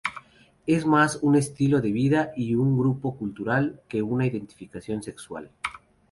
Es mas un estilo de vida y un grupo cultural que una identificación sexual.